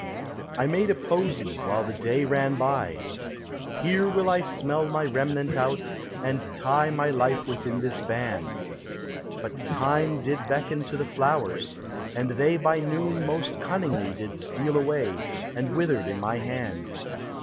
I made a posie, while the day ran by :" Here will I smell my remnant out, and tie My life within this band." But Time did beckon to the flowers, and they By noon most cunningly did steal away, And withered in my hand.